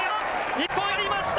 日本やりました！